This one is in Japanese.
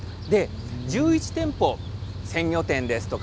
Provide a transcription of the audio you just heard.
１１店舗、鮮魚店ですとか